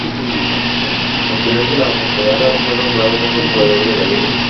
Al final de la temporada fue nombrado mejor jugador de la liga.